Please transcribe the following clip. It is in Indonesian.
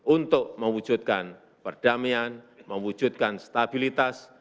untuk mewujudkan perdamaian mewujudkan stabilitas